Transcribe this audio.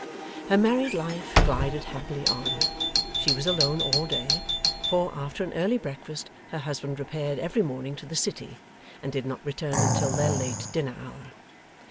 Her married life glided happily on. She was alone all day, for, after an early breakfast her husband repaired every morning to the City, and did not return until their late dinner hour.